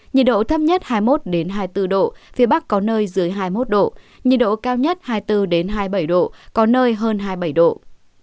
nhiệt độ thấp nhất hai mươi một hai mươi bốn độ phía bắc có nơi dưới hai mươi một độ nhiệt độ cao nhất hai mươi bốn hai mươi bảy độ có nơi hơn hai mươi bảy độ